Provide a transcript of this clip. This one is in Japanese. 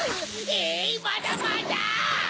えいまだまだ！